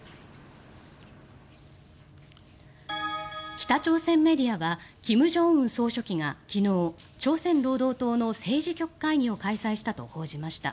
北朝鮮メディアは金正恩総書記が昨日朝鮮労働党の政治局会議を開催したと報じました。